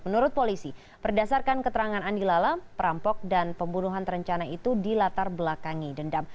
menurut polisi berdasarkan keterangan andi lala perampok dan pembunuhan terencana itu dilatar belakangi dendam